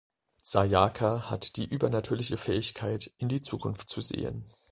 Sayaka hat die übernatürliche Fähigkeit in die Zukunft zu sehen.